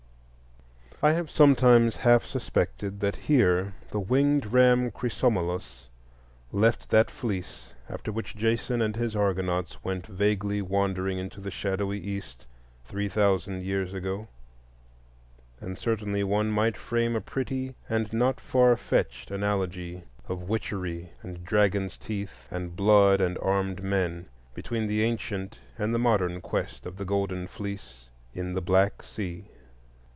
I have sometimes half suspected that here the winged ram Chrysomallus left that Fleece after which Jason and his Argonauts went vaguely wandering into the shadowy East three thousand years ago; and certainly one might frame a pretty and not far fetched analogy of witchery and dragons' teeth, and blood and armed men, between the ancient and the modern quest of the Golden Fleece in the Black Sea.